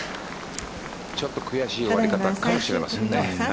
ちょっと悔しい終わり方かもしれませんね。